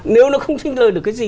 nếu nó không sinh lời được cái gì